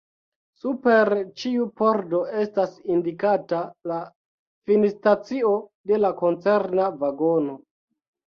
Super ĉiu pordo estas indikata la finstacio de la koncerna vagono.